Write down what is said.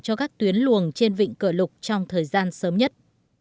cho các tuyến luồng trên vịnh cửa lục trong thời gian sớm nhất